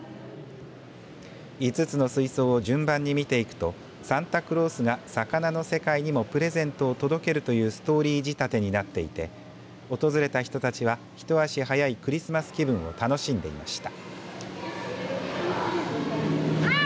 ５つの水槽を順番に見ていくとサンタクロースが魚の世界にもプレゼントを届けるというストーリー仕立てになっていて訪れた人たちは一足早いクリスマス気分を楽しんでいました。